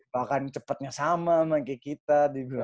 bahkan cepetnya sama sama kayak kita